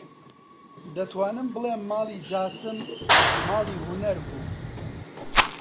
دەتوانم بڵێم ماڵی جاسم ماڵی هونەر بوو: